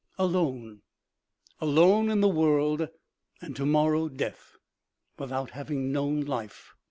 Alone ! Alone in the world, and tomorrow death, without having known life